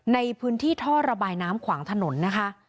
ในพื้นที่ท่อระบายน้ำขวางถนนนะคะ